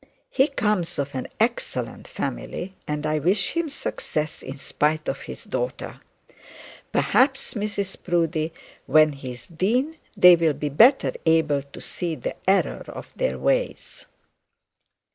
He comes of an excellent family, and I wish him success in spite of his daughter. Perhaps, Mrs Proudie, when he is dean, they'll be better able to see the error of their ways.'